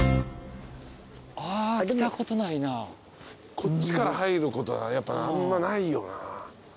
こっちから入ることはやっぱあんまないよな。